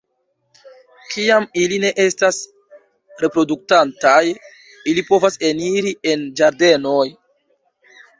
Kiam ili ne estas reproduktantaj, ili povas eniri en ĝardenoj.